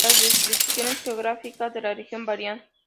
Las descripciones geográficas de la región varían.